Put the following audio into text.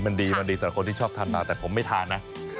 มันดีมันดีสำหรับคนที่ชอบทานมาแต่ผมไม่ทานนะ